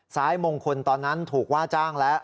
ซ้ายมงคลตอนนั้นถูกว่าจ้างแล้ว